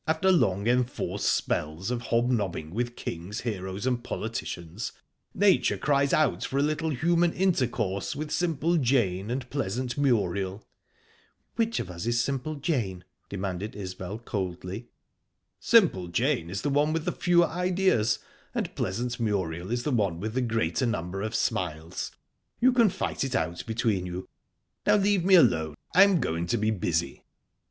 "After long enforced spells of hobnobbing with kings, heroes, and politicians, nature cries out for a little human intercourse with simple Jane and pleasant Muriel." "Which of us is simple Jane?" demanded Isbel coldly. "Simple Jane is the one with the fewer ideas, and pleasant Muriel is the one with the greater number of smiles. You can fight it out between you...Now leave me alone. I'm going to be busy."